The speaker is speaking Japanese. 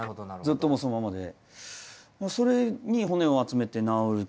ずっともうそのままで。